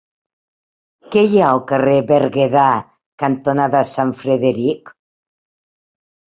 Què hi ha al carrer Berguedà cantonada Sant Frederic?